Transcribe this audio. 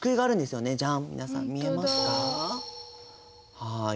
はい。